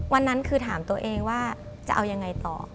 วันนั้นคือถามตัวเองว่าจะเอายังไงต่อ